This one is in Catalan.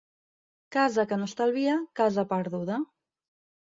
Casa que no estalvia, casa perduda.